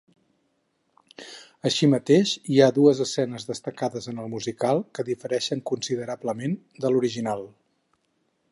Així mateix, hi ha dues escenes destacades en el musical que difereixen considerablement de l'original.